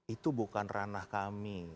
itu bukan ranah kami